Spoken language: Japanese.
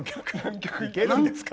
行けるんですか？